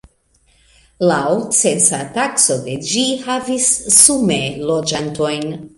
Laŭ censa takso de ĝi havis sume loĝantojn.